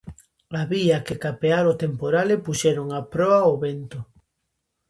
Había que capear o temporal e puxeron a proa ao vento.